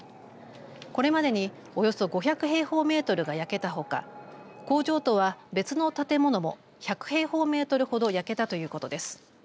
これまでにおよそ５００平方メートルが焼けたほか工場とは別の建物も１００平方メートルほど焼けたということです。